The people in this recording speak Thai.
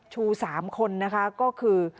ชู้๓คนก็คือ